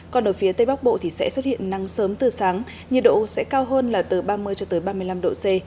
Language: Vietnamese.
còn ở phía tây bắc bộ thì sẽ xuất hiện nắng sớm từ sáng nhiệt độ sẽ cao hơn là từ ba mươi cho tới ba mươi năm độ c